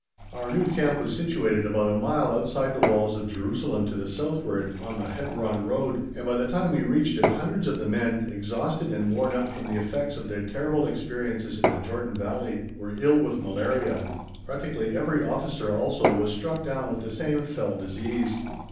Our new camp was situated about a mile outside the walls of Jerusalem to the southward, on the Hebron road, and by the time we reached it hundreds of the men, exhausted and worn out from the effects of their terrible experiences in the Jordan Valley, were ill with malaria; practically every officer also was struck down with the same fell disease.